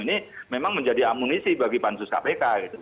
ini memang menjadi amunisi bagi pansus kpk gitu